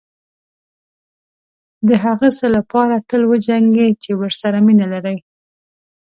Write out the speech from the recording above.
دهغه څه لپاره تل وجنګېږئ چې ورسره مینه لرئ.